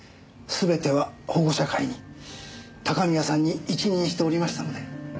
全ては保護者会に高宮さんに一任しておりましたので。